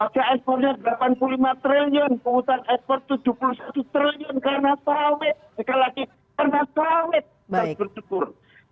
sekali lagi karena sarawet